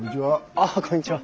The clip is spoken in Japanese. あっこんにちは。